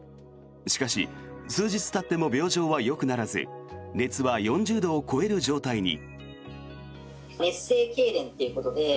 しかし、数日たっても病状はよくならず熱は４０度を超える状態に。